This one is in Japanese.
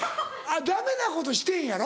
ダメなことしてんやろ？